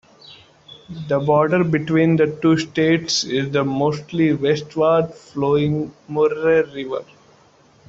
The border between the two states is the mostly westward-flowing Murray River.